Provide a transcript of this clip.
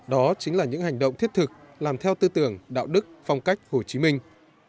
đó chính là những hành động thiết thực làm theo tư tưởng đạo đức phong cách hồ chí minh